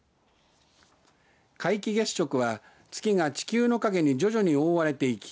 皆既月食は月が地球の影に徐々に覆われていき